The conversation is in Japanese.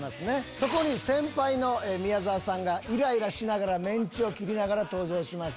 そこに先輩の宮沢さんがイライラしながらメンチを切りながら登場します。